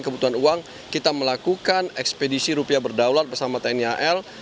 kebutuhan uang kita melakukan ekspedisi rupiah berdaulat bersama tni al